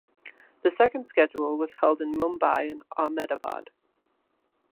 The second schedule was held in Mumbai and Ahmedabad.